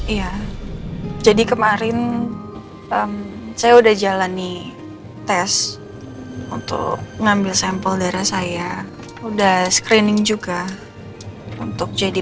iya jadi kemarin saya udah jalani tes untuk ngambil sampel darah saya udah screening juga untuk jadi